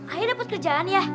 ayah dapat kerjaan ya